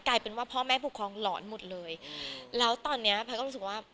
กลายเป็นว่าพ่อแม่ผู้ครองหลอนหมดเลยแล้วตอนเนี้ยแพทย์ก็รู้สึกว่า